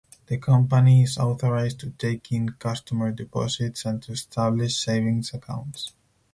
The company is authorized to take in customer deposits and to establish savings accounts.